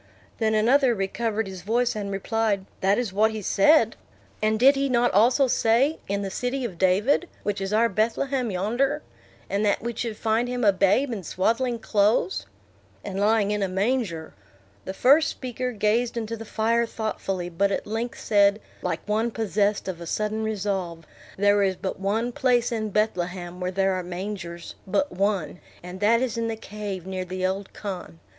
Then another recovered his voice, and replied, "That is what he said." "And did he not also say, in the city of David, which is our Bethlehem yonder. And that we should find him a babe in swaddling clothes?" "And lying in a manger." The first speaker gazed into the fire thoughtfully, but at length said, like one possessed of a sudden resolve, "There is but one place in Bethlehem where there are mangers; but one, and that is in the cave near the old khan.